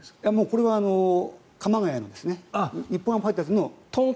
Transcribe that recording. これは鎌ケ谷の日本ハムファイターズの。